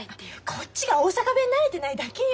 こっちが大阪弁慣れてないだけよ。